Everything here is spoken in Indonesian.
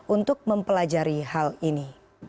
untuk mempelajari hal ini